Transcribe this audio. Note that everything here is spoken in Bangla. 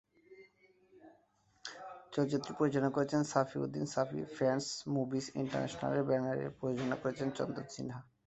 চলচ্চিত্রটি পরিচালনা করেছেন সাফি উদ্দিন সাফি ও ফ্রেন্ডস মুভিজ ইন্টারন্যাশনালের ব্যানারে প্রযোজনা করেছেন চন্দন সিনহা।